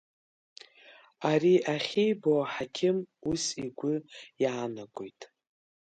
Ари ахьибо аҳақьым ус игәы иаанагот…